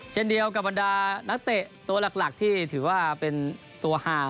เช่นเดียวกับบรรดานักเตะตัวหลักที่ถือว่าเป็นตัวฮาว